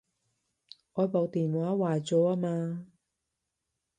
我部電話壞咗吖嘛